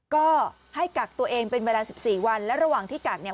ก็ให้กักตัวเองเป็นเวลาสิบสี่วันและระหว่างที่กักเนี่ย